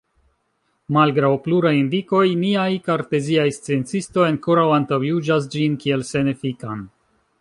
Malgraŭ pluraj indikoj, niaj karteziaj sciencistoj ankoraŭ antaŭjuĝas ĝin kiel senefikan.